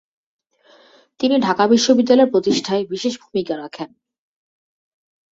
তিনি ঢাকা বিশ্ববিদ্যালয় প্রতিষ্ঠায় বিশেষ ভুমিকা রাখেন।